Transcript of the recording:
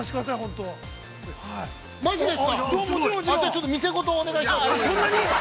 ◆ちょっと店ごとお願いします。